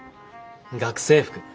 学生服。